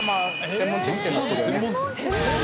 専門店！？